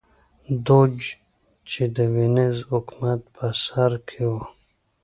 دوج چې د وینز حکومت په سر کې و